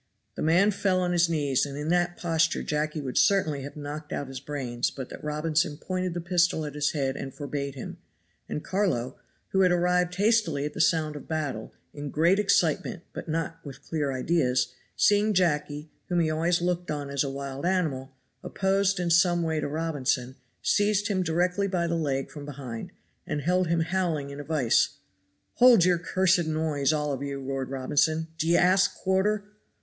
The man fell on his knees, and in that posture Jacky would certainly have knocked out his brains but that Robinson pointed the pistol at his head and forbade him; and Carlo, who had arrived hastily at the sound of battle, in great excitement but not with clear ideas, seeing Jacky, whom he always looked on as a wild animal, opposed in some way to Robinson, seized him directly by the leg from behind and held him howling in a vise. "Hold your cursed noise, all of you," roared Robinson. "D'ye ask quarter?"